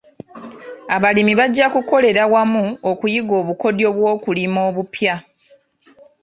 Abalimi bajja kukolera wamu okuyiga obukodyo bw'okulima obupya.